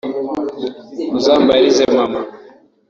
Uzambarize mama